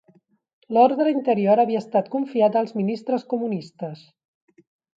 L'ordre interior havia estat confiat als ministres comunistes